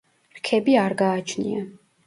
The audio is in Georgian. რქები არ გააჩნია.